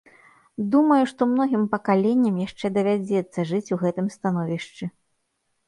Думаю, што многім пакаленням яшчэ давядзецца жыць у гэтым становішчы.